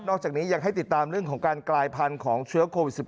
จากนี้ยังให้ติดตามเรื่องของการกลายพันธุ์ของเชื้อโควิด๑๙